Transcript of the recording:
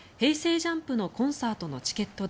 ＪＵＭＰのコンサートのチケット代